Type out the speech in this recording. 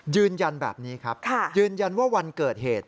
ยืนยันแบบนี้ครับยืนยันว่าวันเกิดเหตุ